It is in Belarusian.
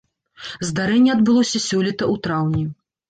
Здарэнне адбылося сёлета ў траўні.